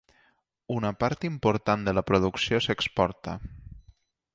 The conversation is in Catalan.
Una part important de la producció s'exporta.